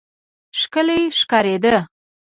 ښکلی ښکارېده.